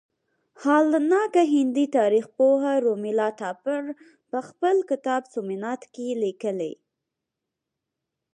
حالانکه هندي تاریخ پوه رومیلا تاپړ په خپل کتاب سومنات کې لیکلي.